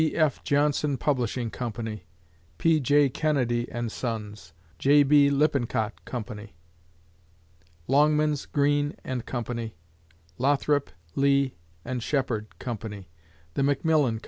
B. F. Johnson Publishing Co.; P. J. Kenedy & Sons; J. B. Lippincott Co.; Longmans, Green & Co.; Lothrop, Lee, and Shepard Co.; The Macmillan Co.